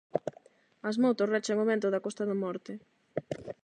As motos rachan o vento da Costa da Morte.